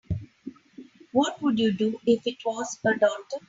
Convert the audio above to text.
What would you do if it was a daughter?